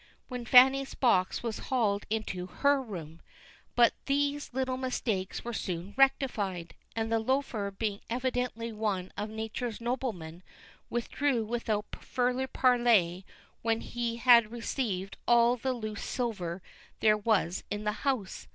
when Fanny's box was hauled into her room; but these little mistakes were soon rectified, and the loafer being evidently one of nature's noblemen, withdrew without further parley when he had received all the loose silver there was in the house.